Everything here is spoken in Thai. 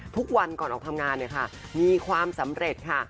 ทุกวันก่อนออกทำงานเนี่ยค่ะมีความสำเร็จค่ะ